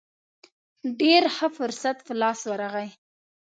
ډېر ښه فرصت په لاس ورغی.